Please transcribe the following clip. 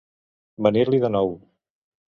Venir-li de nou.